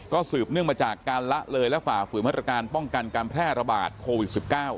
สืบเนื่องมาจากการละเลยและฝ่าฝืนมาตรการป้องกันการแพร่ระบาดโควิด๑๙